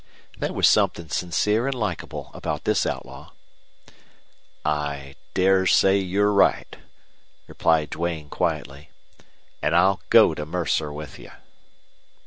There was something sincere and likable about this outlaw. "I dare say you're right," replied Duane, quietly. "And I'll go to Mercer with you."